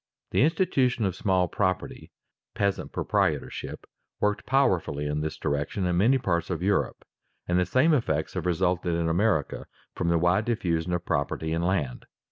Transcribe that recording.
_ The institution of small property, peasant proprietorship, worked powerfully in this direction in many parts of Europe, and the same effects have resulted in America from the wide diffusion of property in land.